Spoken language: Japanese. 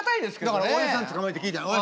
だからおやじさん捕まえて聞いたの。